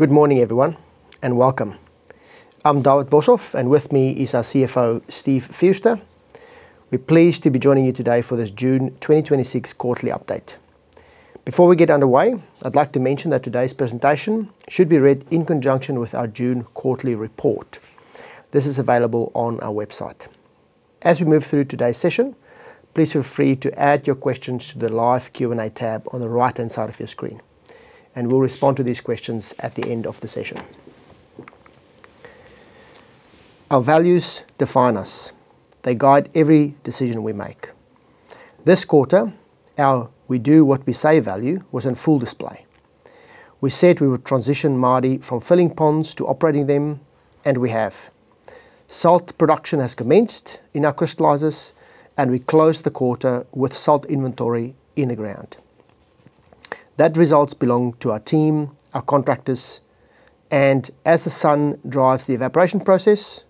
Good morning everyone, and welcome. I'm David Boshoff, and with me is our CFO, Steve Fewster. We're pleased to be joining you today for this June 2026 quarterly update. Before we get underway, I'd like to mention that today's presentation should be read in conjunction with our June quarterly report. This is available on our website. As we move through today's session, please feel free to add your questions to the live Q&A tab on the right-hand side of your screen, and we'll respond to these questions at the end of the session. Our values define us. They guide every decision we make. This quarter, our we do what we say value was on full display. We said we would transition Mardie from filling ponds to operating them, and we have. Salt production has commenced in our crystallizers, and we closed the quarter with salt inventory in the ground. That results belong to our team, our contractors, and as the sun drives the evaporation process,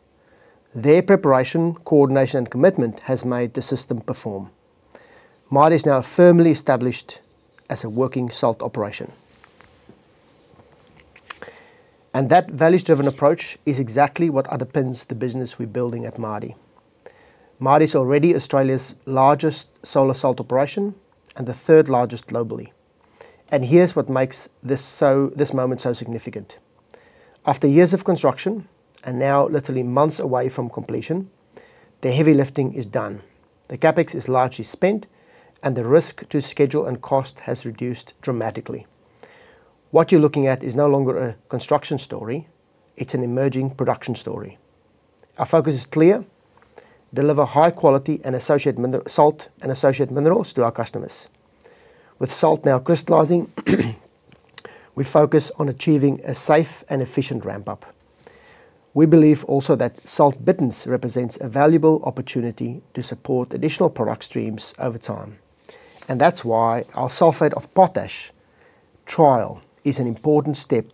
their preparation, coordination, and commitment has made the system perform. Mardie is now firmly established as a working salt operation. That values-driven approach is exactly what underpins the business we're building at Mardie. Mardie's already Australia's largest solar salt operation and the third largest globally. Here's what makes this moment so significant. After years of construction, and now literally months away from completion, the heavy lifting is done. The CapEx is largely spent, and the risk to schedule and cost has reduced dramatically. What you're looking at is no longer a construction story, it's an emerging production story. Our focus is clear: deliver high quality salt and associate minerals to our customers. With salt now crystallizing, we focus on achieving a safe and efficient ramp-up. We believe also that salt bitterness represents a valuable opportunity to support additional product streams over time. That's why our sulfate of potash trial is an important step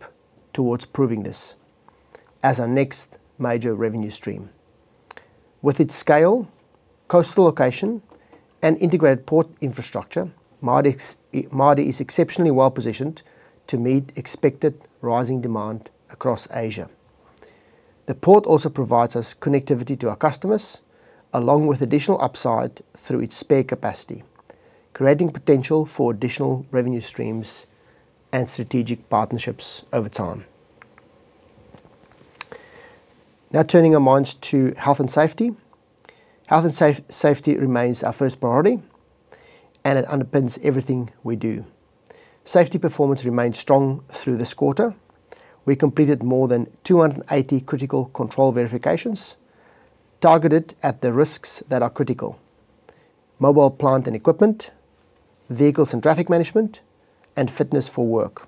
towards proving this as our next major revenue stream. With its scale, coastal location, and integrated port infrastructure, Mardie is exceptionally well-positioned to meet expected rising demand across Asia. The port also provides us connectivity to our customers, along with additional upside through its spare capacity, creating potential for additional revenue streams and strategic partnerships over time. Now turning our minds to health and safety. Health and safety remains our first priority, and it underpins everything we do. Safety performance remained strong through this quarter. We completed more than 280 critical control verifications targeted at the risks that are critical. Mobile plant and equipment, vehicles and traffic management, and fitness for work.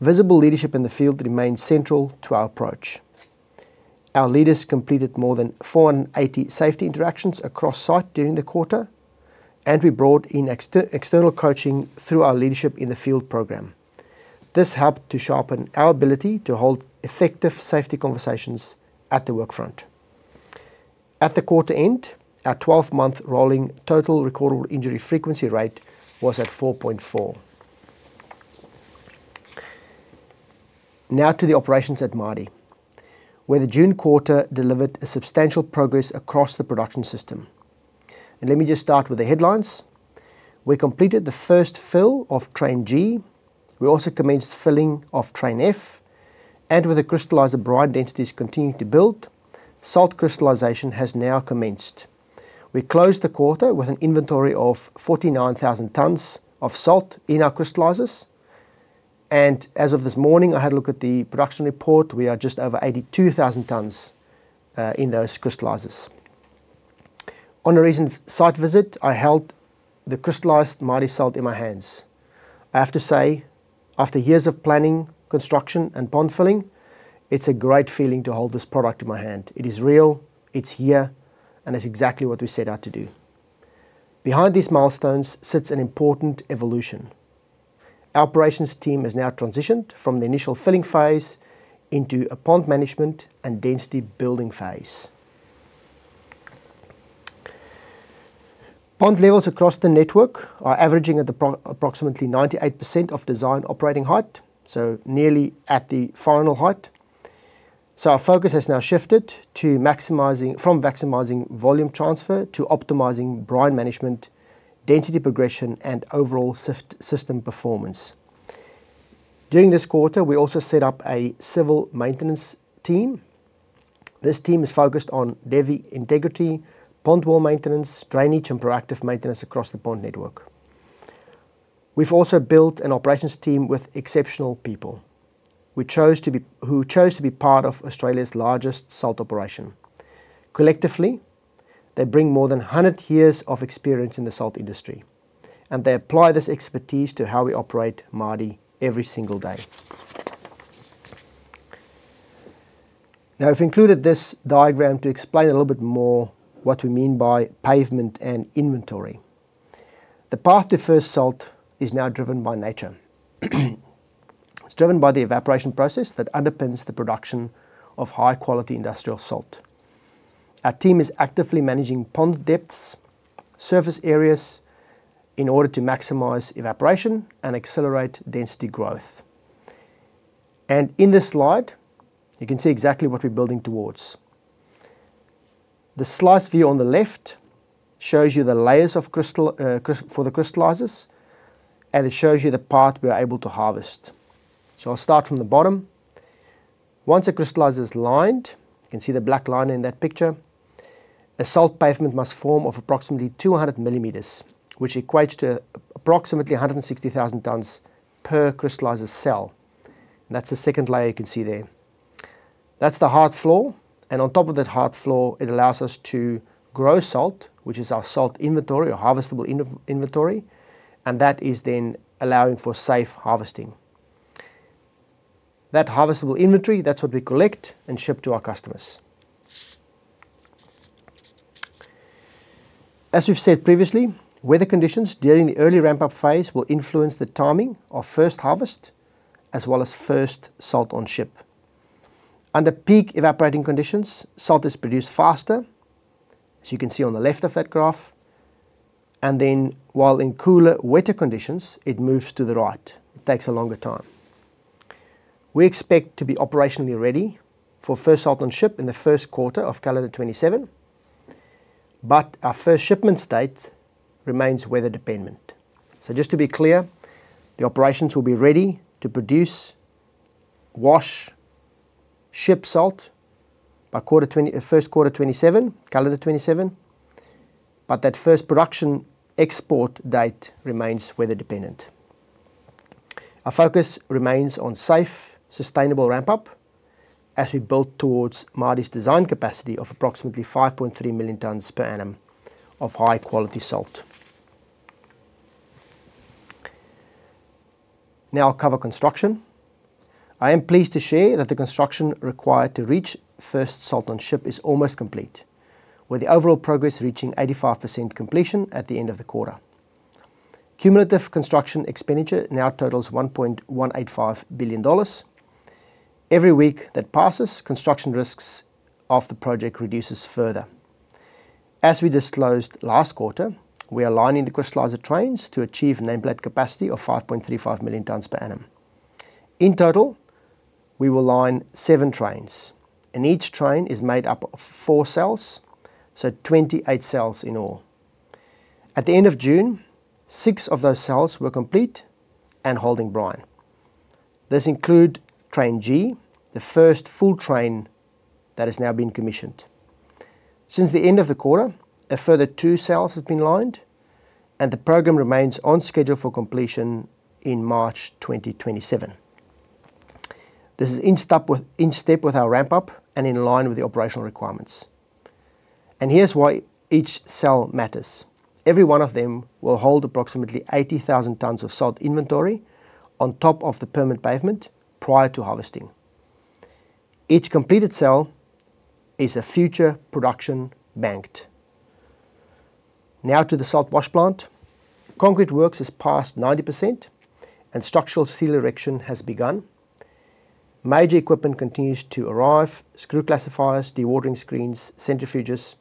Visible leadership in the Field remains central to our approach. Our leaders completed more than 480 safety interactions across site during the quarter, and we brought in external coaching through our Leadership in the Field program. This helped to sharpen our ability to hold effective safety conversations at the work front. At the quarter end, our 12-month rolling total recordable injury frequency rate was at 4.4. Now to the operations at Mardie, where the June quarter delivered a substantial progress across the production system. Let me just start with the headlines. We completed the first fill of Train G. We also commenced filling of Train F, and with the crystallizer brine densities continuing to build, salt crystallization has now commenced. We closed the quarter with an inventory of 49,000 tonnes of salt in our crystallizers. As of this morning, I had a look at the production report, we are just over 82,000 tonnes in those crystallizers. On a recent site visit, I held the crystallized Mardie salt in my hands. I have to say, after years of planning, construction, and pond filling, it's a great feeling to hold this product in my hand. It is real, it's here, and it's exactly what we set out to do. Behind these milestones sits an important evolution. Our operations team has now transitioned from the initial filling phase into a pond management and density building phase. Pond levels across the network are averaging at approximately 98% of design operating height, so nearly at the final height. Our focus has now shifted from maximizing volume transfer to optimizing brine management, density progression, and overall system performance. During this quarter, we also set up a civil maintenance team. This team is focused on levee integrity, pond wall maintenance, drainage, and proactive maintenance across the pond network. We've also built an operations team with exceptional people who chose to be part of Australia's largest salt operation. Collectively, they bring more than 100 years of experience in the salt industry, and they apply this expertise to how we operate Mardie every single day. I've included this diagram to explain a little bit more what we mean by pavement and inventory. The path to first salt is now driven by nature. It's driven by the evaporation process that underpins the production of high-quality industrial salt. Our team is actively managing pond depths, surface areas in order to maximize evaporation and accelerate density growth. In this slide, you can see exactly what we're building towards. The slice view on the left shows you the layers for the crystallizers. It shows you the part we are able to harvest. I'll start from the bottom. Once a crystallizer is lined, you can see the black line in that picture, a salt pavement must form of approximately 200 mm, which equates to approximately 160,000 tonnes per crystallizer cell. That's the second layer you can see there. That's the hard floor. On top of that hard floor, it allows us to grow salt, which is our salt inventory or harvestable inventory, and that is then allowing for safe harvesting. That harvestable inventory, that's what we collect and ship to our customers. As we've said previously, weather conditions during the early ramp-up phase will influence the timing of first harvest as well as first salt on ship. Under peak evaporating conditions, salt is produced faster, as you can see on the left of that graph. Then while in cooler, wetter conditions, it moves to the right. It takes a longer time. We expect to be operationally ready for first salt on ship in the first quarter of calendar 2027, but our first shipment date remains weather-dependent. Just to be clear, the operations will be ready to produce wash ship salt by first quarter 2027, calendar 2027, but that first production export date remains weather-dependent. Our focus remains on safe, sustainable ramp-up as we build towards Mardie's design capacity of approximately 5.3 million tonnes per annum of high-quality salt. I'll cover construction. I am pleased to share that the construction required to reach first salt on ship is almost complete, with the overall progress reaching 85% completion at the end of the quarter. Cumulative construction expenditure now totals 1.185 billion dollars. Every week that passes, construction risks of the project reduces further. As we disclosed last quarter, we are lining the crystallizer trains to achieve nameplate capacity of 5.35 million tonnes per annum. In total, we will line seven trains, and each train is made up of four cells, so 28 cells in all. At the end of June, six of those cells were complete and holding brine. This include Train G, the first full train that has now been commissioned. Since the end of the quarter, a further two cells have been lined, the program remains on schedule for completion in March 2027. This is in step with our ramp-up in line with the operational requirements. Here's why each cell matters. Every one of them will hold approximately 80,000 tonnes of salt inventory on top of the permanent pavement prior to harvesting. Each completed cell is a future production banked. Now to the salt wash plant. Concrete works is past 90%, structural steel erection has begun. Major equipment continues to arrive. Screw classifiers, dewatering screens, centrifuges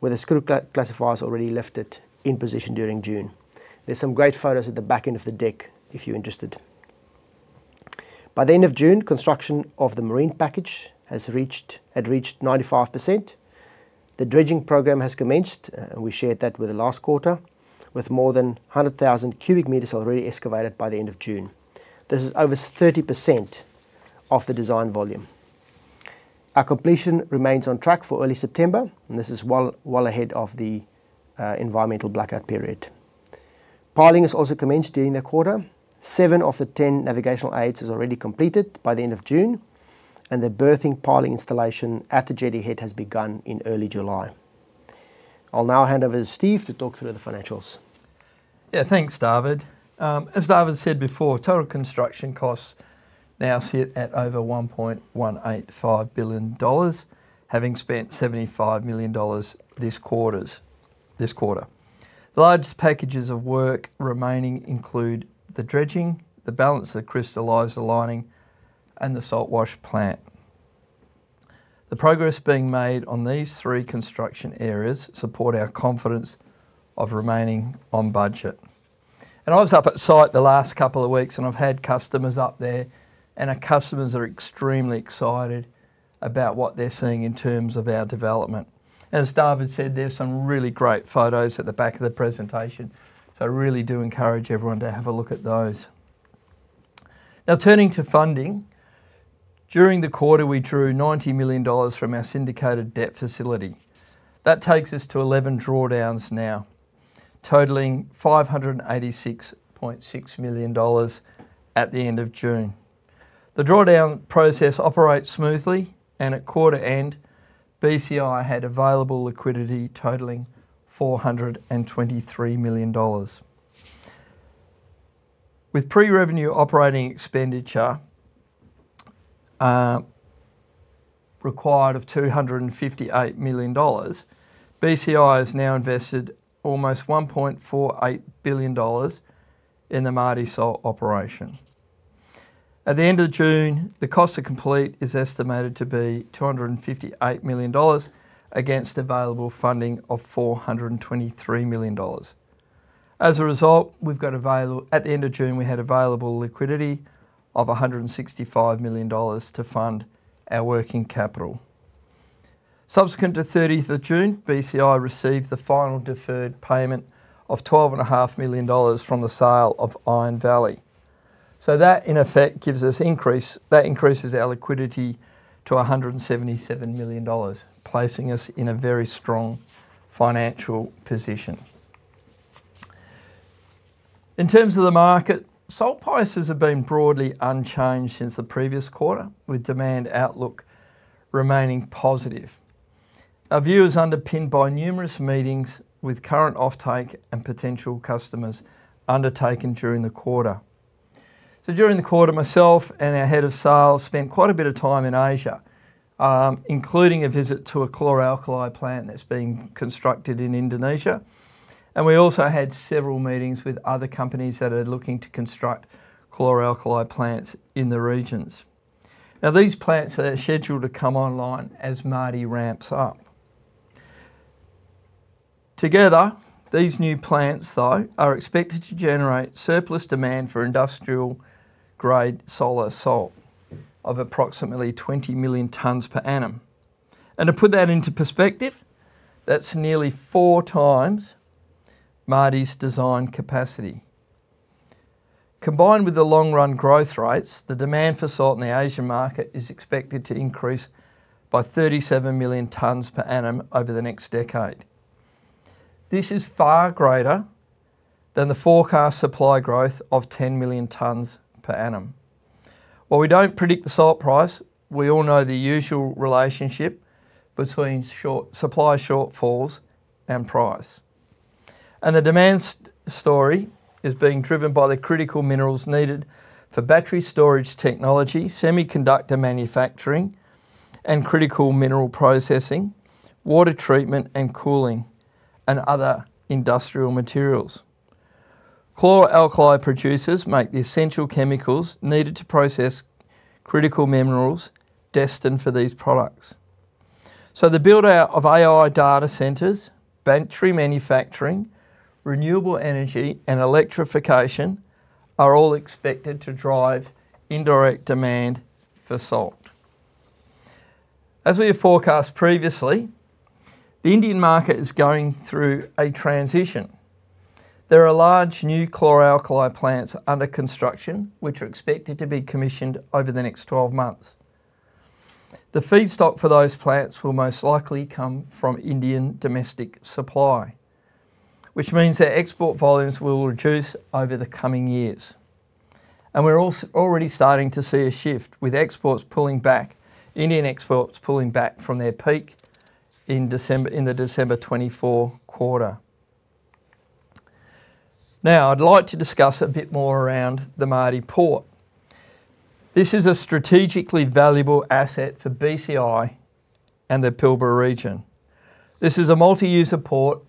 with the screw classifiers already lifted in position during June. There's some great photos at the back end of the deck if you're interested. By the end of June, construction of the marine package had reached 95%. The dredging program has commenced, we shared that with the last quarter, with more than 100,000 cu m already excavated by the end of June. This is over 30% of the design volume. Our completion remains on track for early September, this is well ahead of the environmental blackout period. Piling has also commenced during the quarter. Seven of the 10 navigational aids is already completed by the end of June, the berthing piling installation at the jetty head has begun in early July. I'll now hand over to Steve to talk through the financials. Yeah. Thanks, David. As David said before, total construction costs now sit at over 1.185 billion dollars, having spent 75 million dollars this quarter. The largest packages of work remaining include the dredging, the balance of the crystallizer lining, and the salt wash plant. The progress being made on these three construction areas support our confidence of remaining on budget. I was up at site the last couple of weeks, and I've had customers up there, and our customers are extremely excited about what they're seeing in terms of our development. As David said, there's some really great photos at the back of the presentation, I really do encourage everyone to have a look at those. Now turning to funding. During the quarter, we drew 90 million dollars from our syndicated debt facility. That takes us to 11 drawdowns now, totaling 586.6 million dollars at the end of June. The drawdown process operates smoothly, and at quarter-end, BCI had available liquidity totaling 423 million dollars. With pre-revenue operating expenditure required of 258 million dollars, BCI has now invested almost 1.48 billion dollars in the Mardie Salt operation. At the end of June, the cost to complete is estimated to be 258 million dollars against available funding of 423 million dollars. As a result, at the end of June, we had available liquidity of 165 million dollars to fund our working capital. Subsequent to 30th of June, BCI received the final deferred payment of 12.5 million dollars from the sale of Iron Valley. That, in effect, increases our liquidity to 177 million dollars, placing us in a very strong financial position. In terms of the market, salt prices have been broadly unchanged since the previous quarter, with demand outlook remaining positive. Our view is underpinned by numerous meetings with current offtake and potential customers undertaken during the quarter. During the quarter, myself and our head of sales spent quite a bit of time in Asia, including a visit to a chlor-alkali plant that's being constructed in Indonesia, and we also had several meetings with other companies that are looking to construct chlor-alkali plants in the regions. These plants are scheduled to come online as Mardie ramps up. Together, these new plants, though, are expected to generate surplus demand for industrial-grade solar salt of approximately 20 million tonnes per annum. To put that into perspective, that's nearly four times Mardie's design capacity. Combined with the long-run growth rates, the demand for salt in the Asian market is expected to increase by 37 million tonnes per annum over the next decade. This is far greater than the forecast supply growth of 10 million tonnes per annum. While we don't predict the salt price, we all know the usual relationship between supply shortfalls and price. The demand story is being driven by the critical minerals needed for battery storage technology, semiconductor manufacturing, and critical mineral processing, water treatment and cooling, and other industrial materials. Chlor-alkali producers make the essential chemicals needed to process critical minerals destined for these products. The build-out of AI data centers, battery manufacturing, renewable energy, and electrification are all expected to drive indirect demand for salt. As we have forecast previously, the Indian market is going through a transition. There are large new chlor-alkali plants under construction, which are expected to be commissioned over the next 12 months. The feedstock for those plants will most likely come from Indian domestic supply, which means their export volumes will reduce over the coming years. We're already starting to see a shift, with exports pulling back, Indian exports pulling back from their peak in the December 2024 quarter. I'd like to discuss a bit more around the Mardie Port. This is a strategically valuable asset for BCI and the Pilbara region. This is a multi-use port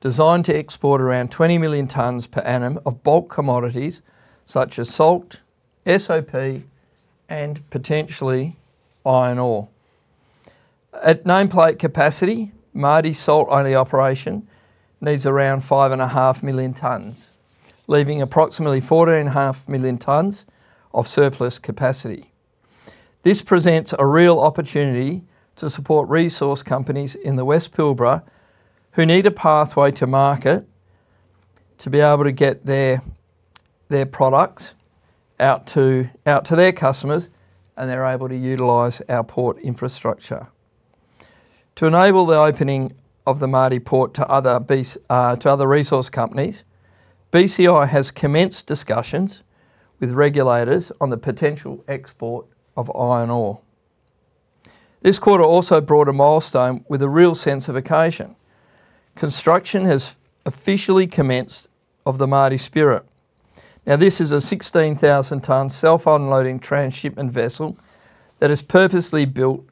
designed to export around 20 million tonnes per annum of bulk commodities such as salt, SOP, and potentially iron ore. At nameplate capacity, Mardie salt-only operation needs around 5.5 million tonnes, leaving approximately 14.5 million tonnes of surplus capacity. This presents a real opportunity to support resource companies in the West Pilbara who need a pathway to market to be able to get their products out to their customers, and they're able to utilize our port infrastructure. To enable the opening of the Mardie Port to other resource companies, BCI has commenced discussions with regulators on the potential export of iron ore. This quarter also brought a milestone with a real sense of occasion. Construction has officially commenced of the Mardie Spirit. This is a 16,000-tonne self-unloading transshipment vessel that is purposely built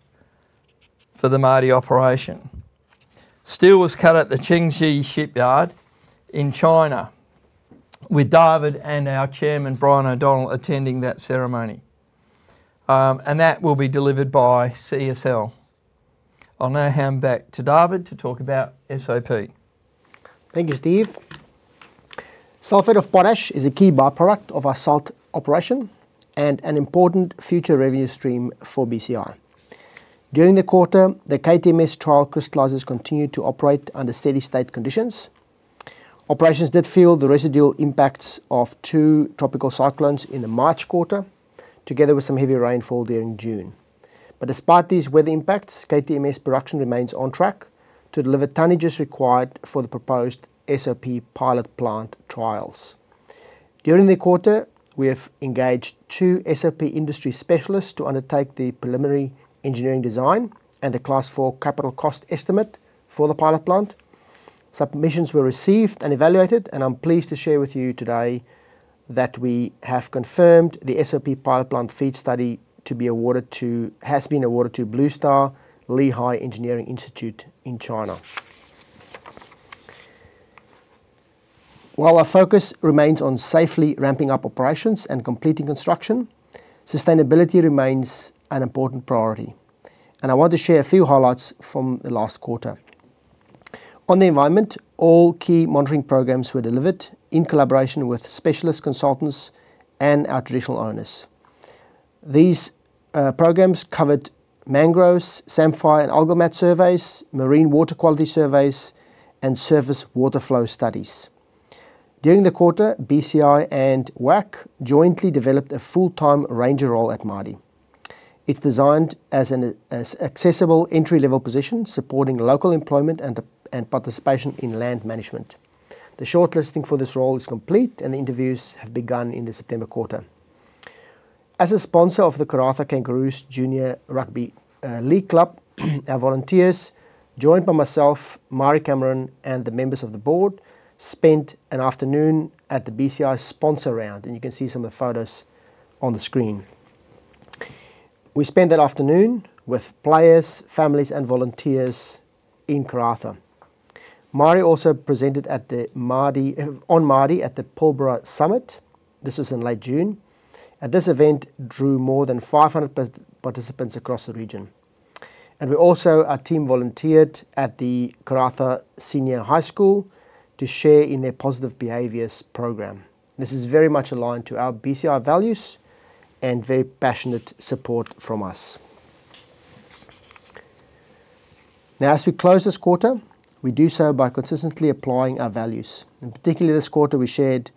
for the Mardie operation. Steel was cut at the Chengxi Shipyard in China, with David and our Chairman, Brian O'Donnell, attending that ceremony. That will be delivered by CSL. I'll now hand back to David to talk about SOP. Thank you, Steve. Sulfate of potash is a key byproduct of our salt operation and an important future revenue stream for BCI. During the quarter, the KTMS trial crystallizers continued to operate under steady state conditions. Operations did feel the residual impacts of two tropical cyclones in the March quarter, together with some heavy rainfall during June. Despite these weather impacts, KTMS production remains on track to deliver tonnages required for the proposed SOP pilot plant trials. During the quarter, we have engaged two SOP industry specialists to undertake the preliminary engineering design and the Class 4 capital cost estimate for the pilot plant. Submissions were received and evaluated, and I'm pleased to share with you today that we have confirmed the SOP pilot plant feed study has been awarded to Bluestar Lehigh Engineering Corporation in China. While our focus remains on safely ramping up operations and completing construction, sustainability remains an important priority, and I want to share a few highlights from the last quarter. On the environment, all key monitoring programs were delivered in collaboration with specialist consultants and our traditional owners. These programs covered mangroves, samphire and algal mat surveys, marine water quality surveys, and surface water flow studies. During the quarter, BCI and WAC jointly developed a full-time ranger role at Mardie. It's designed as an accessible, entry-level position supporting local employment and participation in land management. The shortlisting for this role is complete, and the interviews have begun in the September quarter. As a sponsor of the Karratha Kangaroos Junior Rugby League Club, our volunteers, joined by myself, Mhairi Cameron, and the members of the board, spent an afternoon at the BCI Sponsor Round, and you can see some of the photos on the screen. We spent that afternoon with players, families, and volunteers in Karratha. Mhairi also presented on Mardie at the Pilbara Summit. This was in late June. This event drew more than 500 participants across the region. Also, our team volunteered at the Karratha Senior High School to share in their Positive Behaviors Program. This is very much aligned to our BCI values and very passionate support from us. As we close this quarter, we do so by consistently applying our values, and particularly this quarter, we shared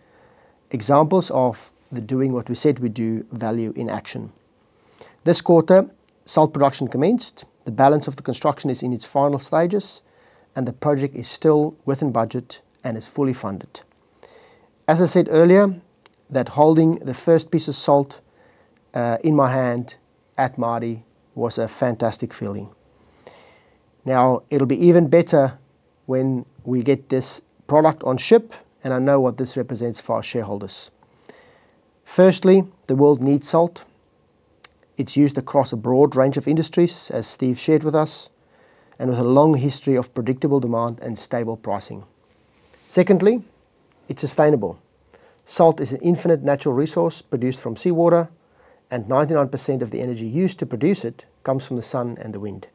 examples of the doing what we said we do value in action. This quarter, salt production commenced. The balance of the construction is in its final stages, and the project is still within budget and is fully funded. As I said earlier, that holding the first piece of salt in my hand at Mardie was a fantastic feeling. Now, it'll be even better when we get this product on ship, and I know what this represents for our shareholders. Firstly, the world needs salt. It's used across a broad range of industries, as Steve shared with us, and with a long history of predictable demand and stable pricing. Secondly, it's sustainable. Salt is an infinite natural resource produced from seawater, and 99% of the energy used to produce it comes from the sun and the wind.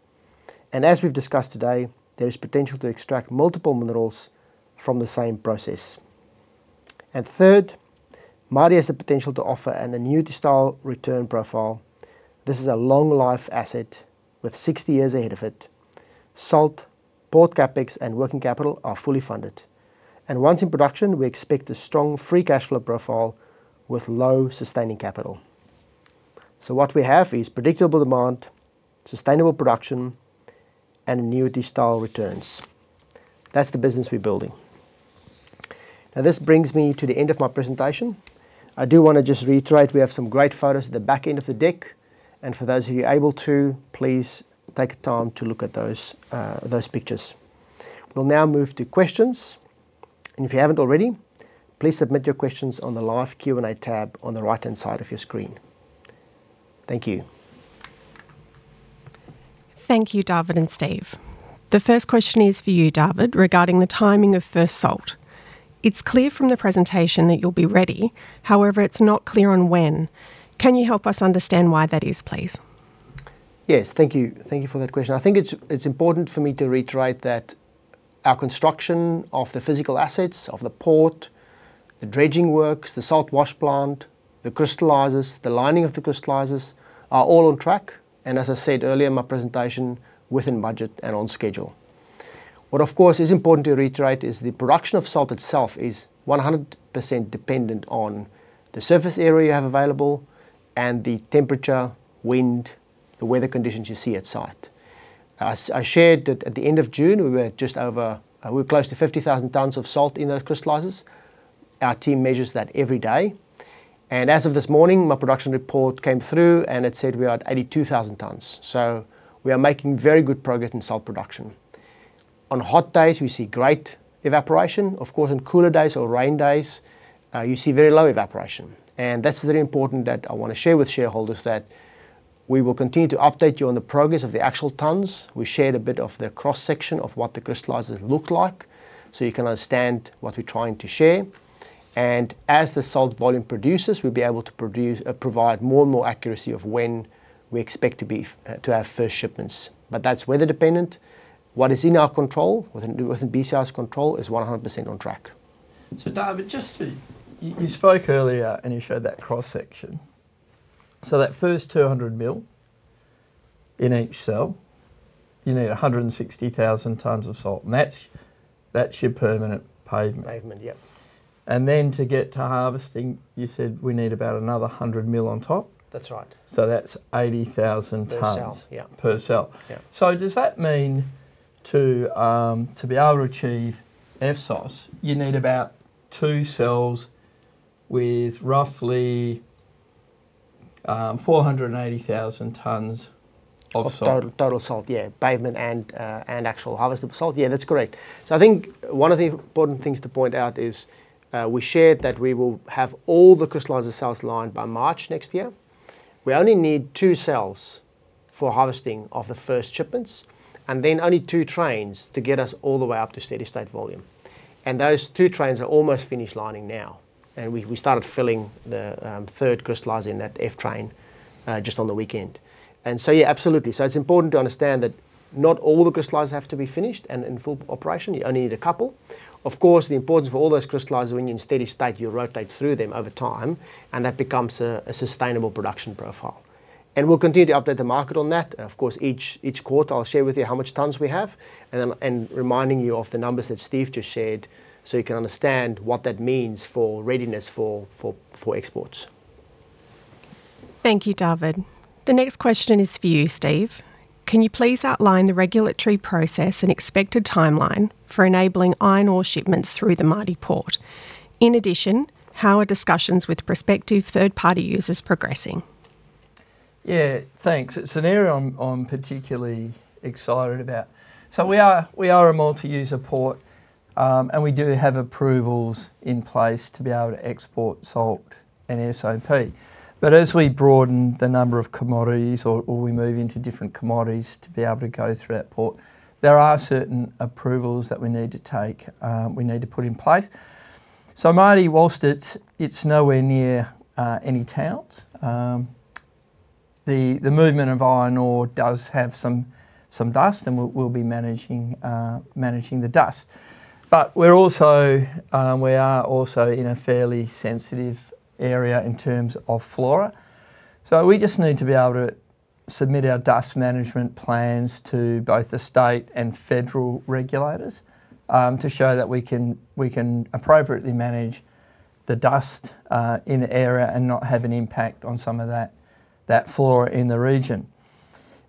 As we've discussed today, there is potential to extract multiple minerals from the same process. Third, Mardie has the potential to offer an annuity-style return profile. This is a long-life asset with 60 years ahead of it. Salt, port CapEx, and working capital are fully funded. Once in production, we expect a strong free cash flow profile with low sustaining capital. What we have is predictable demand, sustainable production, and annuity-style returns. That's the business we're building. Now, this brings me to the end of my presentation. I do want to just reiterate, we have some great photos at the back end of the deck. For those of you able to, please take time to look at those pictures. We'll now move to questions. If you haven't already, please submit your questions on the live Q&A tab on the right-hand side of your screen. Thank you. Thank you, David and Steve. The first question is for you, David, regarding the timing of first salt. It's clear from the presentation that you'll be ready. However, it's not clear on when. Can you help us understand why that is, please? Yes. Thank you. Thank you for that question. I think it's important for me to reiterate that our construction of the physical assets, of the port, the dredging works, the salt wash plant, the crystallizers, the lining of the crystallizers are all on track and, as I said earlier in my presentation, within budget and on schedule. What of course is important to reiterate is the production of salt itself is 100% dependent on the surface area you have available and the temperature, wind, the weather conditions you see at site. I shared that at the end of June, we were close to 50,000 tonnes of salt in those crystallizers. Our team measures that every day. As of this morning, my production report came through, and it said we are at 82,000 tonnes. We are making very good progress in salt production. On hot days, we see great evaporation. Of course, on cooler days or rain days, you see very low evaporation, and that's very important that I want to share with shareholders that we will continue to update you on the progress of the actual tonnes. We shared a bit of the cross-section of what the crystallizers look like, so you can understand what we're trying to share. As the salt volume produces, we'll be able to provide more and more accuracy of when we expect to have first shipments. That's weather dependent. What is in our control, within BCI's control, is 100% on track. David, you spoke earlier and you showed that cross-section. That first 200 mil in each cell, you need 160,000 tonnes of salt, and that's your permanent pavement. Pavement, yep. Then to get to harvesting, you said we need about another 100 mil on top? That's right. That's 80,000 tonnes. Per cell, yeah. Per cell. Yeah. Does that mean to be able to achieve FSOS, you need about two cells with roughly 480,000 tonnes of salt? Of total salt, yeah. Pavement and actual harvestable salt. Yeah, that's correct. I think one of the important things to point out is we shared that we will have all the crystallizer cells lined by March next year. We only need two cells for harvesting of the first shipments, and then only two trains to get us all the way up to steady state volume. Those two trains are almost finished lining now, and we started filling the third crystallizer in that F Train just on the weekend. Yeah, absolutely. It's important to understand that not all the crystallizers have to be finished and in full operation, you only need a couple. Of course, the importance of all those crystallizers, when you're in steady state, you rotate through them over time, and that becomes a sustainable production profile. We'll continue to update the market on that. Of course, each quarter I'll share with you how much tonnes we have and reminding you of the numbers that Steve just shared so you can understand what that means for readiness for exports. Thank you, David. The next question is for you, Steve. Can you please outline the regulatory process and expected timeline for enabling iron ore shipments through the Mardie Port? In addition, how are discussions with prospective third-party users progressing? Yeah. Thanks. It's an area I'm particularly excited about. We are a multi-user port, and we do have approvals in place to be able to export salt and SOP. As we broaden the number of commodities or we move into different commodities to be able to go through that port, there are certain approvals that we need to put in place. Mardie, whilst it's nowhere near any towns, the movement of iron ore does have some dust, and we'll be managing the dust. We're also in a fairly sensitive area in terms of flora. We just need to be able to submit our dust management plans to both the state and federal regulators, to show that we can appropriately manage the dust in the area and not have an impact on some of that flora in the region.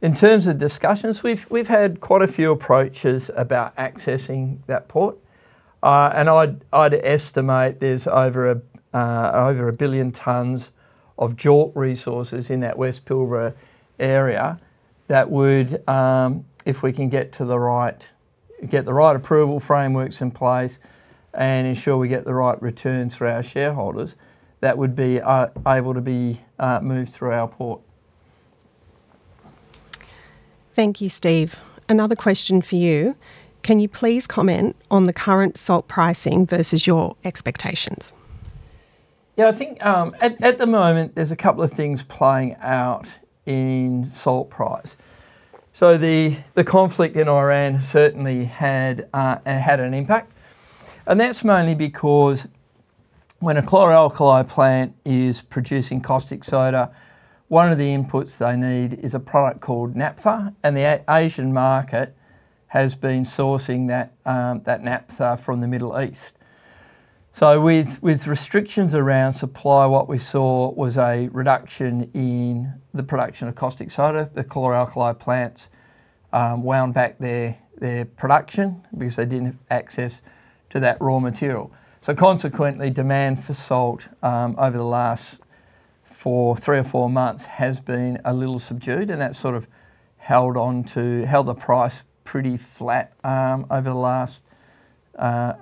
In terms of discussions, we've had quite a few approaches about accessing that port. I'd estimate there's over 1 billion tonnes of JORC resources in that West Pilbara area that would, if we can get the right approval frameworks in place and ensure we get the right returns for our shareholders, that would be able to be moved through our port. Thank you, Steve. Another question for you. Can you please comment on the current salt pricing versus your expectations? Yeah. I think at the moment there's a couple of things playing out in salt price. The conflict in Iran certainly had an impact, and that's mainly because when a chlor-alkali plant is producing caustic soda, one of the inputs they need is a product called naphtha, and the Asian market has been sourcing that naphtha from the Middle East. With restrictions around supply, what we saw was a reduction in the production of caustic soda. The chlor-alkali plants wound back their production because they didn't have access to that raw material. Consequently, demand for salt, over the last three or four months, has been a little subdued, and that sort of held the price pretty flat over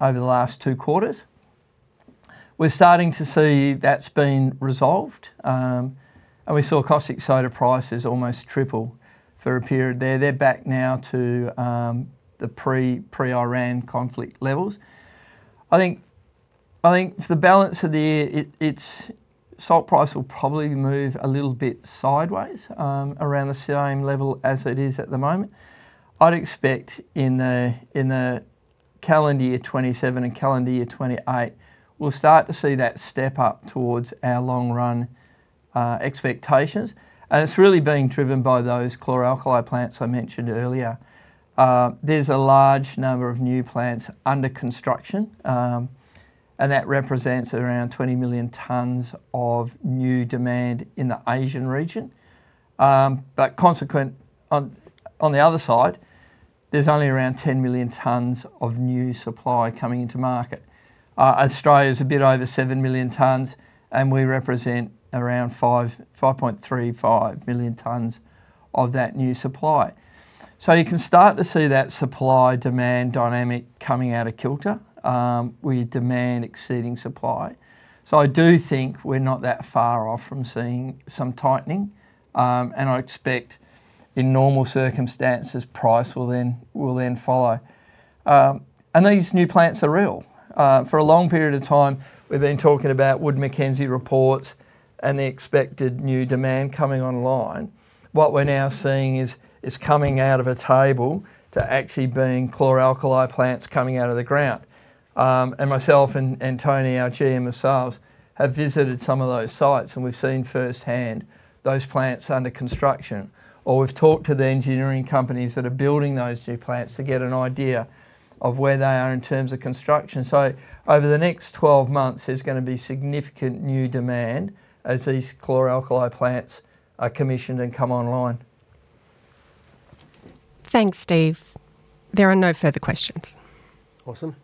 the last two quarters. We're starting to see that's been resolved. We saw caustic soda prices almost triple for a period there. They're back now to the pre-Iran conflict levels. I think for the balance of the year, its salt price will probably move a little bit sideways, around the same level as it is at the moment. I'd expect in the calendar year 2027 and calendar year 2028, we'll start to see that step up towards our long-run expectations. It's really being driven by those chlor-alkali plants I mentioned earlier. There's a large number of new plants under construction, and that represents around 20 million tonnes of new demand in the Asian region. Consequent on the other side, there's only around 10 million tonnes of new supply coming into market. Australia's a bit over 7 million tonnes, and we represent around 5.35 million tonnes of that new supply. You can start to see that supply-demand dynamic coming out of kilter, with demand exceeding supply. I do think we're not that far off from seeing some tightening, and I expect in normal circumstances, price will then follow. These new plants are real. For a long period of time, we've been talking about Wood Mackenzie reports and the expected new demand coming online. What we're now seeing is it's coming out of a table to actually being chlor-alkali plants coming out of the ground. Myself and Tony, our GM of Sales, have visited some of those sites, and we've seen firsthand those plants under construction. Or we've talked to the engineering companies that are building those new plants to get an idea of where they are in terms of construction. Over the next 12 months, there's going to be significant new demand as these chlor-alkali plants are commissioned and come online. Thanks, Steve. There are no further questions. Awesome.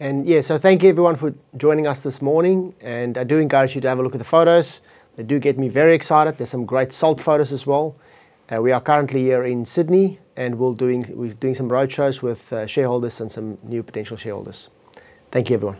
Yeah. Thank you everyone for joining us this morning, and I do encourage you to have a look at the photos. They do get me very excited. There's some great salt photos as well. We are currently here in Sydney, and we're doing some roadshows with shareholders and some new potential shareholders. Thank you, everyone.